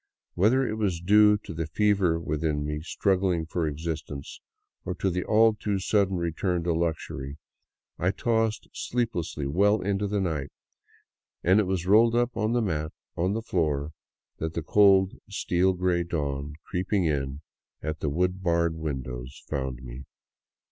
Whether it was due to the fever within me struggling for existence, or to the all too sudden re turn to luxury, I tossed sleeplessly well into the night, and it was rolled up on the mat on the tile floor that the cold, steel gray dawn creeping in at the wooden barred windows found me.